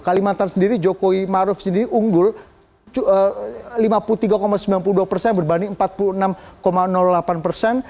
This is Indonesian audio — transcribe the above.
kalimantan sendiri jokowi maruf sendiri unggul lima puluh tiga sembilan puluh dua persen berbanding empat puluh enam delapan persen